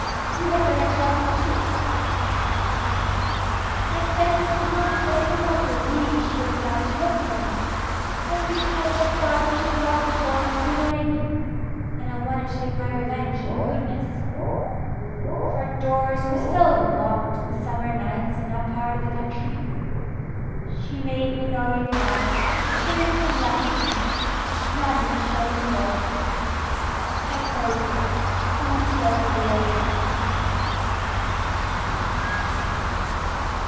You had better tell him too." I said this not that I did not believe she had been out to look for me, but because I thought she had locked the door to annoy me, and I wanted to take my revenge in rudeness. For doors were seldom locked in the summer nights in that part of the country. She made me no reply, but turned and left me, not even shutting the door. I closed it, and went to bed weary enough.